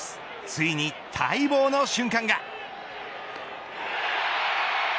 ついに待望の瞬間が。